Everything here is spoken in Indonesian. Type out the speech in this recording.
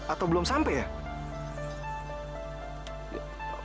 atau belum sampai ya